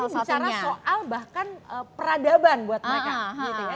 ini bicara soal bahkan peradaban buat mereka